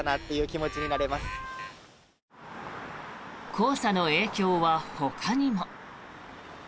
黄砂の影響はほかにも。